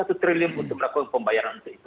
dan tidak perlu ragu bahwa tidak akan terbayar